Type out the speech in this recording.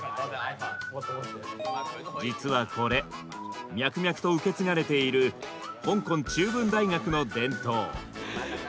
実はこれ脈々と受け継がれている香港中文大学の伝統。